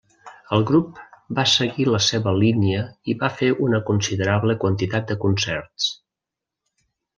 El grup va seguir la seva línia i va fer una considerable quantitat de concerts.